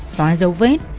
xóa dấu vết